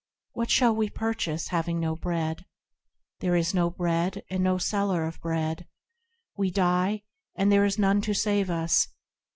What shall we purchase, having no Bread? There is no Bread, and no seller of Bread ; We die, and there is none to save us